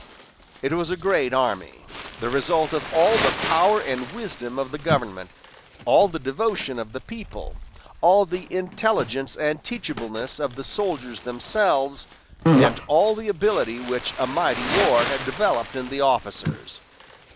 It was a great army the result of all the power and wisdom of the government, all the devotion of the people, all the intelligence and teachableness of the soldiers themselves, and all the ability which a mighty war had developed in the officers.